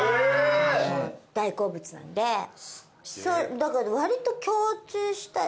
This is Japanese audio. だからわりと。